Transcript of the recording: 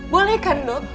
boleh kan dok